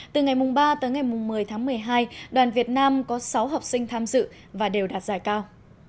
từ ngày ba tới ngày một mươi tháng một mươi hai đoàn việt nam có sáu học sinh tham dự và đều đạt giải cao